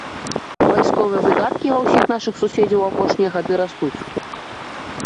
Вайсковыя выдаткі ва ўсіх нашых суседзяў у апошнія гады растуць.